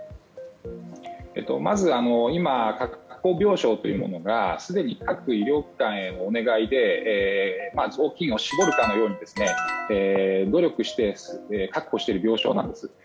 まず、今確保病床というものがすでに各医療機関へのお願いで雑巾を絞るかのように努力して確保している病床なんです。